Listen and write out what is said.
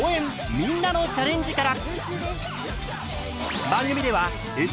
みんなのチャレンジ」から！